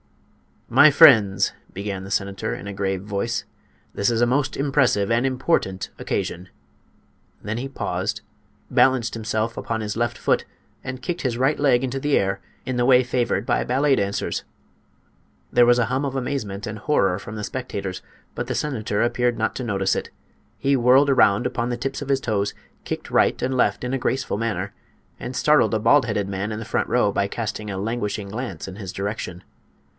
"My friends," began the senator, in a grave voice, "this is a most impressive and important occasion." Then he paused, balanced himself upon his left foot, and kicked his right leg into the air in the way favored by ballet dancers! There was a hum of amazement and horror from the spectators, but the senator appeared not to notice it. He whirled around upon the tips of his toes, kicked right and left in a graceful manner, and startled a bald headed man in the front row by casting a languishing glance in his direction.